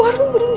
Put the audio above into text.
nah time is times